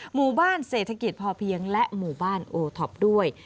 หมู่บ้านเศรษฐกิจพอเพียงและหมู่บ้านโอท็อปด้วย